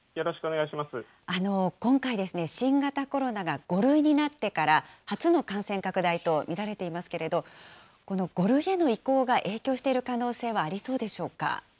今回ですね、新型コロナが５類になってから、初の感染拡大と見られていますけれども、この５類への移行が影響している可能性はありそうでしょうか。